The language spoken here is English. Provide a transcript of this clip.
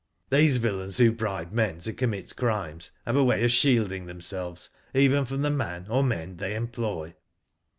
These villains who bribe men to commit crimes have a way of shielding themselves even from the man or men they employ."